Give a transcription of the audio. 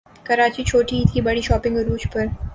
کراچی چھوٹی عید کی بڑی شاپنگ عروج پر